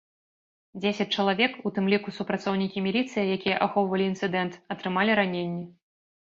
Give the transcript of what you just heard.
Дзесяць чалавек, у тым ліку супрацоўнікі міліцыі, якія ахоўвалі інцыдэнт, атрымалі раненні.